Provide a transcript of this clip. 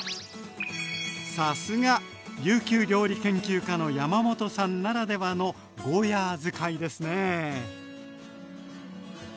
さすが琉球料理研究家の山本さんならではのゴーヤー使いですね。